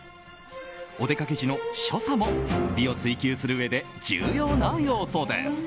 お出かけ時の所作も美を追究するうえで重要な要素です。